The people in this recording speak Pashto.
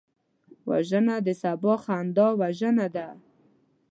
وژنه د سبا خندا وژنه ده